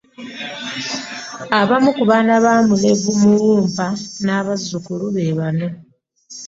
Abamu ku baana ba Mulevu Muwumpa n’abazzukulu be bano.